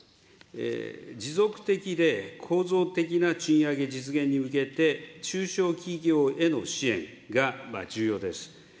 持続的で構造的な賃上げ実現に向けて、中小企業への支援が重要です。